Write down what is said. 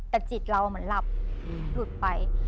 แต่จิตเราเหมือนหลับหลุดไป